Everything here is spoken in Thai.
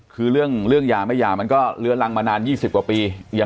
คือเรื่องแยามั้ยยามันเวลาระงมานานยี่สิบกว่าปี